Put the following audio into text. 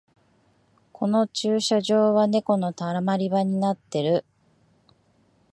この駐車場はネコのたまり場になってる